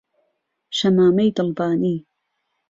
شەمامەی دڵبانی